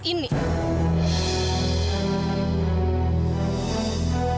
aku nanti mau jalan sama kamu